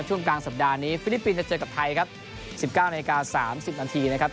ช่วงกลางสัปดาห์นี้ฟิลิปปินส์จะเจอกับไทยครับ๑๙นาที๓๐นาทีนะครับ